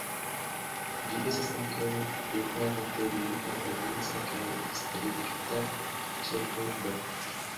Ĝi estas ankaŭ departementa, provinca kaj distrikta ĉefurbo.